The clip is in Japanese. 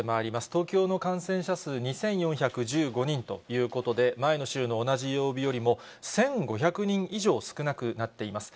東京の感染者数２４１５人ということで、前の週の同じ曜日よりも１５００人以上少なくなっています。